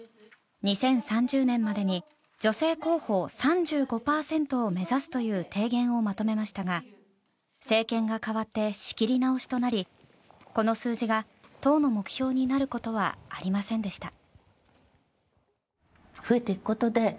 ２０３０年までに女性候補３５％を目指すという提言をまとめましたが政権が変わって仕切り直しとなりこの数字が党の目標になることはありませんでした。